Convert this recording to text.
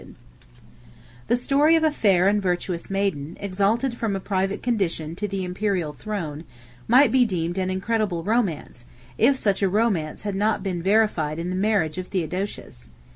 ] The story of a fair and virtuous maiden, exalted from a private condition to the Imperial throne, might be deemed an incredible romance, if such a romance had not been verified in the marriage of Theodosius.